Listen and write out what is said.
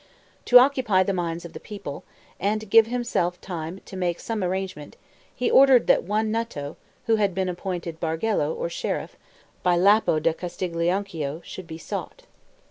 To occupy the minds of the people, and give himself time to make some arrangement, he ordered that one Nuto, who had been appointed bargello, or sheriff, by Lapo da Castiglionchio, should be sought.